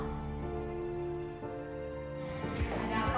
gak ada apa apa ibu